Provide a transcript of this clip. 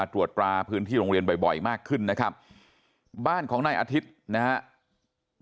ตรวจตราพื้นที่โรงเรียนบ่อยมากขึ้นนะครับบ้านของนายอาทิตย์นะครับ